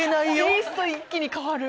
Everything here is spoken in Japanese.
テイスト一気に変わる。